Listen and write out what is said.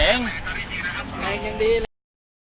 วันนี้เราจะมาจอดรถที่แรงละเห็นเป็น